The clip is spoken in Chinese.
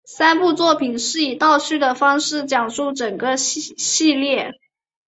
三部作品是以倒叙的方式讲述整个系列。